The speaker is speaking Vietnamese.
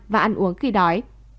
và ăn uống khi đói